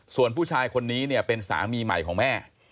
ส่วนผู้ชายคนนี้เนี่ยเป็นสามีใหม่ของแม่